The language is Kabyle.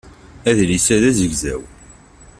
Adlis-a d azegzaw.